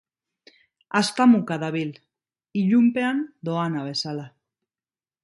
Haztamuka dabil, ilunpean doana bezala.